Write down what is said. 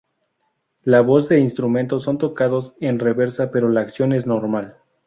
La voz e instrumentos son tocados en reversa, pero la acción es normal.